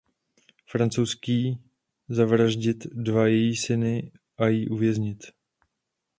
Francouzský zavraždit dva její syny a ji uvěznit.